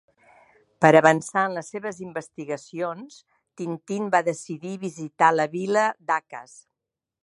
Per avançar en les seves investigacions, Tintín va decidir visitar la vila d'Akass.